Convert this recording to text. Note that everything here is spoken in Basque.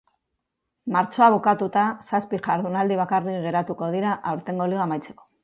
Martxoa bukatuta, zazpi jardunaldi bakarrik geratuko dira aurtengo liga amaitzeko.